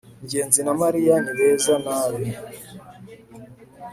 ngenzi na mariya ni beza nabi